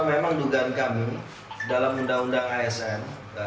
memang dugaan kami dalam undang undang asn